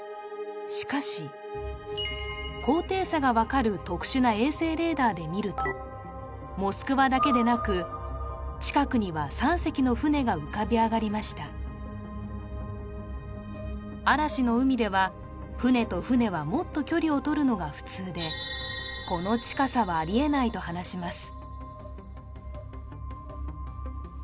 しかし特殊なで見るとモスクワだけでなく近くには３隻の船が浮かび上がりました嵐の海では船と船はもっと距離をとるのが普通でこの近さはありえないと話します